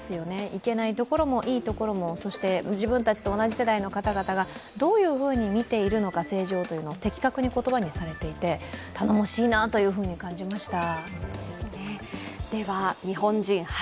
いけないところも、いいところも、そして自分たちと同じ世代の方々がどういうふうに政治を見ているのかというのを的確に言葉にされていて、頼もしいなと感じました。